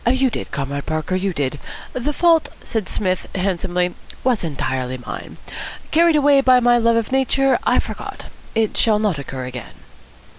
"You did, Comrade Parker, you did. The fault," said Psmith handsomely, "was entirely mine. Carried away by my love of nature, I forgot. It shall not occur again."